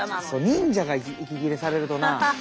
忍者が息切れされるとなあ。